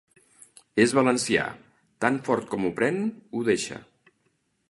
És valencià: tan fort com ho pren, ho deixa.